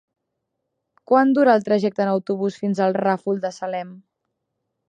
Quant dura el trajecte en autobús fins al Ràfol de Salem?